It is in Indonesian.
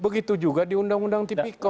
begitu juga di undang undang tipikor